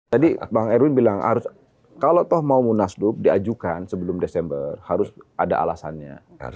tadi bang erwin bilang kalau toh mau munaslup diajukan sebelum desember harus ada alasannya